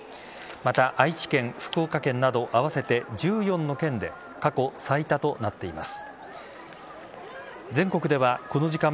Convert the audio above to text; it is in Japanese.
また、愛知県、福岡県など合わせて１４の県で過去最多となっています。